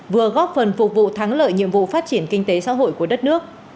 vừa góp phần phục vụ thắng lợi nhiệm vụ phát triển kinh tế xã hội của đất nước